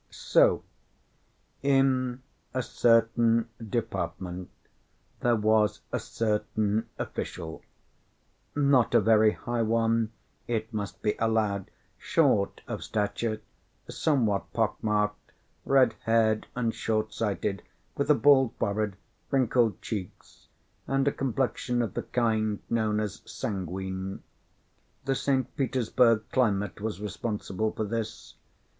So, in a certain department there was a certain official not a very high one, it must be allowed short of stature, somewhat pock marked, red haired, and short sighted, with a bald forehead, wrinkled cheeks, and a complexion of the kind known as sanguine. The St. Petersburg climate was responsible for this.